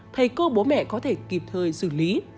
thầy cô bố mẹ có thể kịp thời xử lý